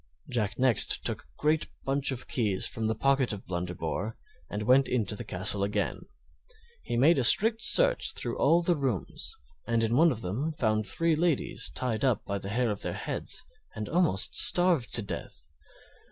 Jack next took a great bunch of keys from the pocket of Blunderbore and went into the castle again. He made a strict search through all the rooms, and in one of them found three ladies tied up by the hair of their heads and almost starved to death.